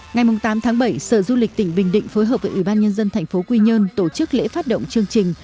ngày tám tháng bảy sở du lịch tỉnh bình định phối hợp với ủy ban nhân dân thành phố quy nhơn tổ chức lễ phát động chương trình